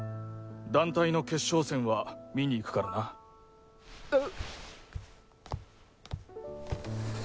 団体の決勝戦は見に行くからな。え！